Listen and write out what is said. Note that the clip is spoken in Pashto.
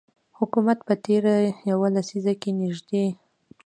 حکومت په تیره یوه لسیزه کې نږدې